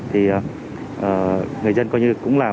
thì người dân coi như cũng là